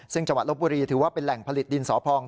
ซึ่งจังหวัดลบบุรีถือว่าเป็นแหล่งผลิตดินสอพอง